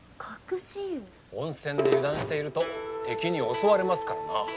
温泉で油断していると敵に襲われますからなぁ。